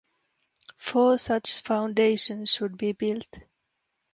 Four such foundations should be built.